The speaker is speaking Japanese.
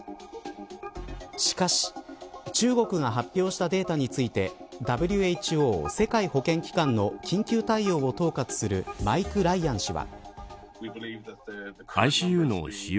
しかし中国が発表したデータについてＷＨＯ世界保健機関の緊急対応を統括するマイク・ライアン氏は。